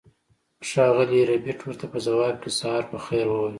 ښاغلي ربیټ ورته په ځواب کې سهار په خیر وویل